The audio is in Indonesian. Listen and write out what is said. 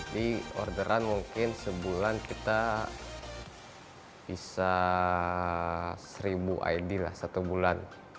di orderan mungkin sebulan kita bisa seribu id lah satu bulan